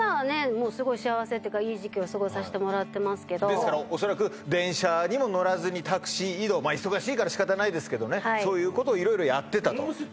もうすごい幸せっていうかいい時期を過ごさせてもらってますけどですから恐らく電車にも乗らずにタクシー移動まあ忙しいから仕方ないですけどそういうことを色々やってたとモー娘。